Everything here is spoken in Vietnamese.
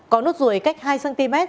có nốt ruồi cách hai cm